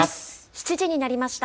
７時になりました。